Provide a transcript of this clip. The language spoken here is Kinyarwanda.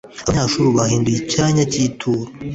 Abanyashuru bahahinduye icyanya cy’inturo;